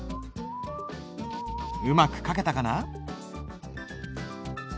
うまく書けたかな？